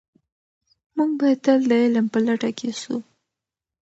موږ باید تل د علم په لټه کې سو.